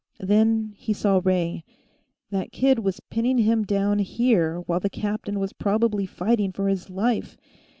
Then he saw Ray. That kid was pinning him down, here, while the captain was probably fighting for his life!